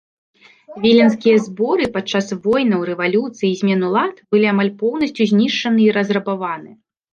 Віленскія зборы падчас войнаў, рэвалюцый і змен улад былі амаль поўнасцю знішчаны і разрабаваны.